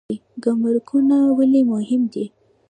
ګمرکونه ولې مهم دي؟